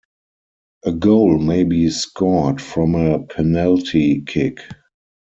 A goal may be scored from a penalty kick.